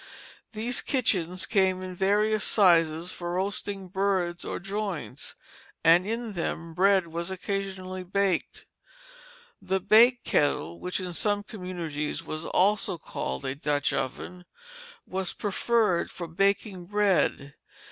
These kitchens came in various sizes for roasting birds or joints, and in them bread was occasionally baked. The bake kettle, which in some communities was also called a Dutch oven, was preferred for baking bread.